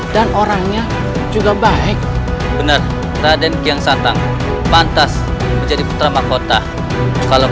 dan orangnya juga baik benar raden yang santang pantas menjadi putra mahkota kalau